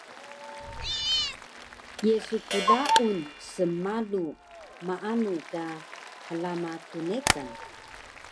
Ye su klaun snmalu maanu ka hlama tnekan?